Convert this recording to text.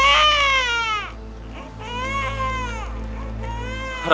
aku tidak bisa melihatmu